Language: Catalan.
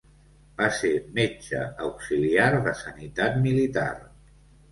Va ser metge auxiliar de sanitat militar.